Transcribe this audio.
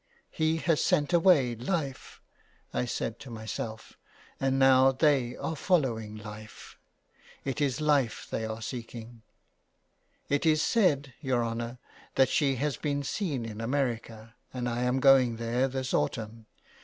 *' He has sent away Life," I said to myself, " and now they are following Life. It is Life they are seeking." " It is said, your honour, that she's been seen in America, and I am going there this autumn.